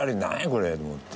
これと思って。